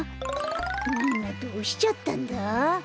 みんなどうしちゃったんだ？